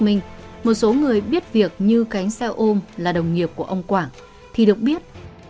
minh một số người biết việc như cánh xe ôm là đồng nghiệp của ông quảng thì được biết